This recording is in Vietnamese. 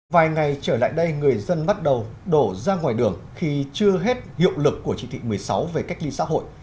vài ngày trở lại đây người dân bắt đầu đổ ra ngoài đường khi chưa hết hiệu lực của chỉ thị một mươi sáu về cách ly xã hội